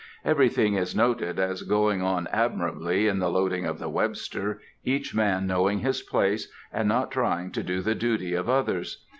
Everything is noted as going on admirably in the loading of the Webster, each man knowing his place, and not trying to do the duty of others.